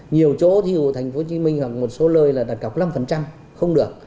nhiều chỗ thí dụ thành phố hồ chí minh hoặc một số lơi là đặt cọc năm không được